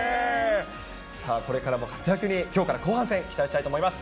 さあ、これからも活躍に、きょうから後半戦、期待したいと思います。